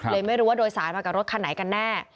ไม่รู้ว่าโดยสารมากับรถคันไหนกันแน่